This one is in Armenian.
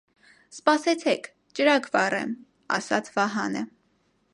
- Սպասեցեք, ճրագ վառեմ,- ասաց Վահանը: